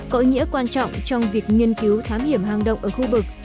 có ý nghĩa quan trọng trong việc nghiên cứu thám hiểm hang động ở khu vực